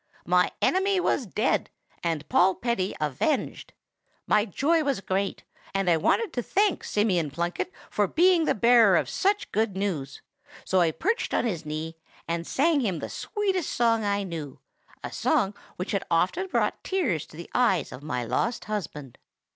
My enemy was dead, and Polpetti avenged. My joy was great, and I wanted to thank Simeon Plunkett for being the bearer of such good news; so I perched on his knee, and sang him the sweetest song I knew,—a song which had often brought tears to the eyes of my lost husband.